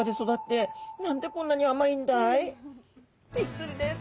びっくりです。